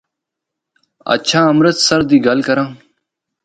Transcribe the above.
ہچھا امرت سر دی گل کراں۔